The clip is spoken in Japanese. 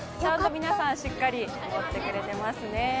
皆さんしっかり持ってくれていますね。